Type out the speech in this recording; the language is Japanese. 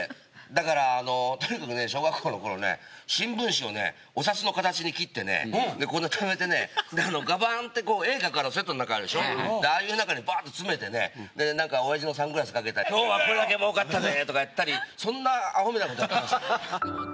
だから、とにかくね、小学校のころね、新聞紙をね、お札の形に切ってね、留めてね、画板って、絵を描くセットの中あるでしょ、あの中にばっと詰めてね、親父のサングラスかけて、きょうはこれだけもうかったぜーとかやったり、そんなあほなことやってました。